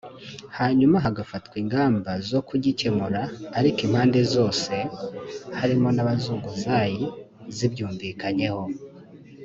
hanyuma hagafatwa ingamba zo kugikemura ariko impande zose (harimo n’abazunguzayi) zibyumvikanyeho